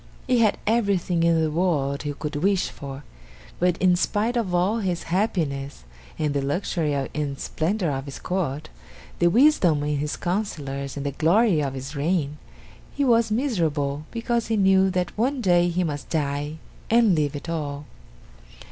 He had everything in the world he could wish for, but in spite of all his happiness, and the luxury and splendor of his court, the wisdom of his councilors and the glory of his reign, he was miserable because he knew that one day he must die and leave it all.